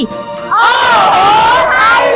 โอ้โหไทยแลนด์